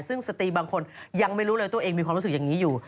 ซึ่งสตรีบางคนยังไม่รู้เลยตัวเองมีความรู้สึกอย่างนี้อยู่